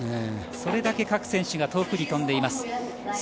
それだけ各選手が遠くに飛んでいます。